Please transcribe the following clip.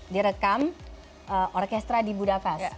direkam orkestra di budapest